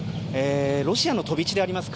ロシアの飛び地であります